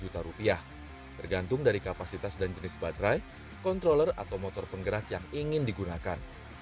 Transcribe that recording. tergantung dari kapasitas dan jenis baterai controller atau motor penggerak yang ingin digunakan